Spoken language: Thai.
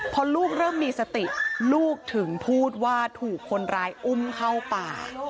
พอลูกเริ่มมีสติลูกถึงพูดว่าถูกคนร้ายอุ้มเข้าป่า